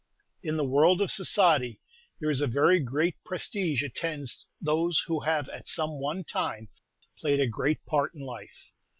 In the world of society there is a very great prestige attends those who have at some one time played a great part in life.